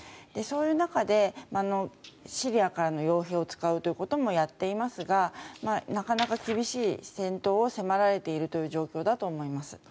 そういう中でシリアからの傭兵を使うということもやっていますがなかなか厳しい戦闘を迫られているという状況だと思います。